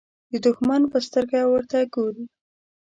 د دښمن په سترګه ورته ګوري.